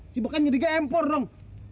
si beken jadi empur dong